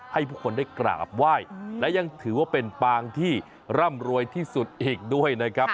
ให้ผู้คนได้กราบไหว้และยังถือว่าเป็นปางที่ร่ำรวยที่สุดอีกด้วยนะครับ